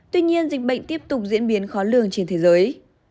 tuy nhiên dịch bệnh tiếp tục diễn biến khó lường trên thế giới